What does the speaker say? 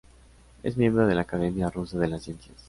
Es miembro de la Academia rusa de las Ciencias.